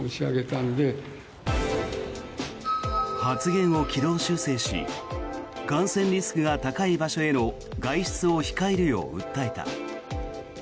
発言を軌道修正し感染リスクが高い場所への外出を控えるよう訴えた。